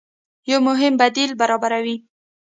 يو مهم بديل برابروي